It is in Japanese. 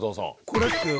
これ。